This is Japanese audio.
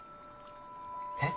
えっ？